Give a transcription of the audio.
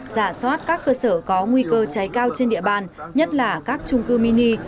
giả soát các cơ sở có nguy cơ cháy cao trên địa bàn nhất là các trung cư mini